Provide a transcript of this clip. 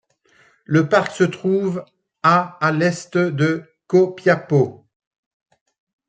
Le parc se trouve à à l'est de Copiapó.